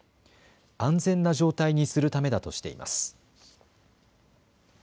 安全な状態にするためだとしています。